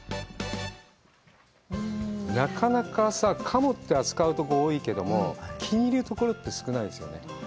なかなかさ、鴨って、扱うところ多いけども、気に入るところって少ないですよね。